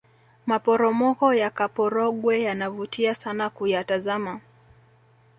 maporomoko yakaporogwe yanavutia sana kuyatazama